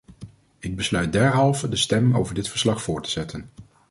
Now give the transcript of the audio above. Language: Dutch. Ik besluit derhalve de stemming over dit verslag voor te zetten.